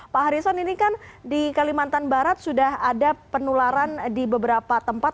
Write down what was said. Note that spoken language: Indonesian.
pak harison ini kan di kalimantan barat sudah ada penularan di beberapa tempat